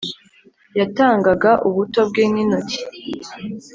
Yatangaga ubuto bwe nintoki